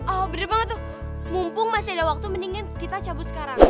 oh bener banget tuh mumpung masih ada waktu mendingan kita cabut sekarang